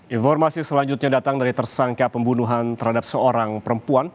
informasi selanjutnya datang dari tersangka pembunuhan terhadap seorang perempuan